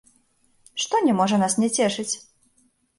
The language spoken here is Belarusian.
Што не можа нас не цешыць?